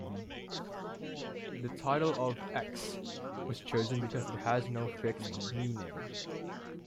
The title of "X" was chosen because it has no fixed meaning.